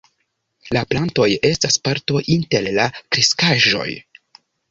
La plantoj estas parto inter la kreskaĵoj.